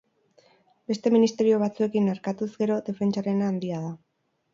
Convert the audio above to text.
Beste ministerio batzuekin erkatuz gero, defentsarena handia da.